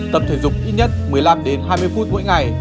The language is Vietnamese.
tập thể dục ít nhất một mươi năm đến hai mươi phút mỗi ngày